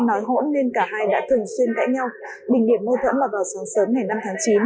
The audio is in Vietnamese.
nói hỗn nên cả hai đã thường xuyên cãi nhau bình điểm mô thẫn là vào sáng sớm ngày năm tháng chín